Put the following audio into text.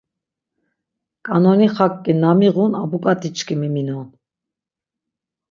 K̆anoni xakki na miğun abuǩatiçkimi minon!